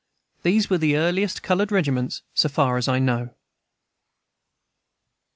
These were the earliest colored regiments, so far as I know.